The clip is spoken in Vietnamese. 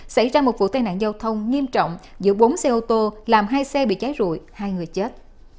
xảy ra một vụ tai nạn giao thông nghiêm trọng giữa bốn xe ô tô làm hai xe bị cháy rụi hai người chết